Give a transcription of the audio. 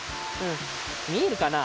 みえるかな？